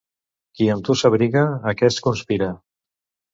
Qui amb tu s'abriga, aquest conspira.